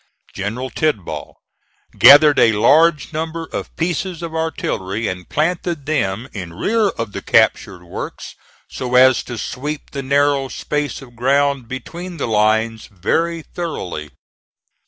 General Tidball gathered a large number of pieces of artillery and planted them in rear of the captured works so as to sweep the narrow space of ground between the lines very thoroughly.